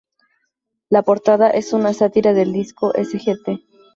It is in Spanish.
La portada es una sátira del disco Sgt.